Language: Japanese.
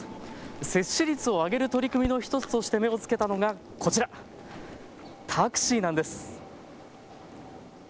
接種率を上げる取り組みの１つとして目をつけたのがこちら、タクシーなんです。